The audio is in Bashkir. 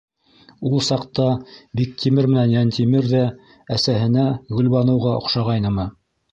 Ул саҡта Биктимер менән Йәнтимер ҙә әсәһенә - Гөлбаныуға оҡшағайнымы?